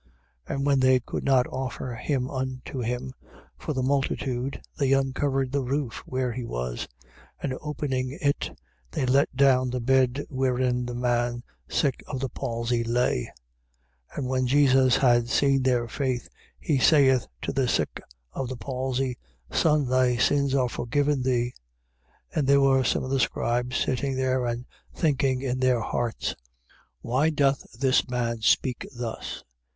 2:4. And when they could not offer him unto him for the multitude, they uncovered the roof where he was: and opening it, they let down the bed wherein the man sick of the palsy lay. 2:5. And when Jesus had seen their faith, he saith to the sick of the palsy: Son, thy sins are forgiven thee. 2:6. And there were some of the scribes sitting there and thinking in their hearts: 2:7. Why doth this man speak thus?